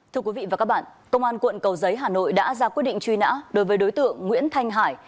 thưa quý vị và các bạn công an quận cầu giấy hà nội đã ra quyết định truy nã đối với đối tượng nguyễn thanh hải